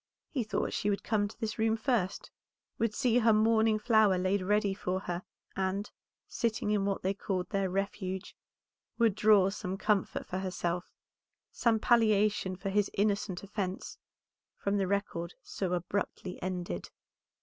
He thought she would come to this room first, would see her morning flower laid ready for her, and, sitting in what they called their Refuge, would draw some comfort for herself, some palliation for his innocent offence, from the record so abruptly ended.